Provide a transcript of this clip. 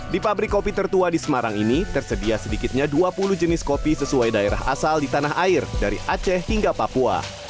di pabrik kopi tertua di semarang ini tersedia sedikitnya dua puluh jenis kopi sesuai daerah asal di tanah air dari aceh hingga papua